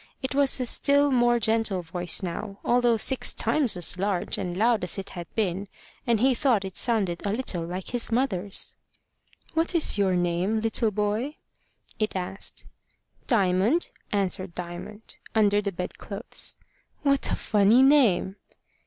It was a still more gentle voice now, although six times as large and loud as it had been, and he thought it sounded a little like his mother's. "What is your name, little boy?" it asked. "Diamond," answered Diamond, under the bed clothes. "What a funny name!"